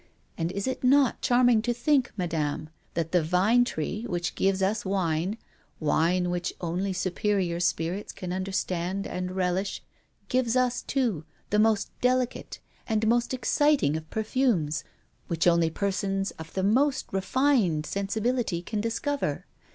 And is it not charming to think, Madame, that the vine tree, which gives us wine, wine which only superior spirits can understand and relish, gives us, too, the most delicate and most exciting of perfumes, which only persons of the most refined sensibility can discover?